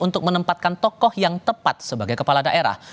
untuk menempatkan tokoh yang tepat sebagai kepala daerah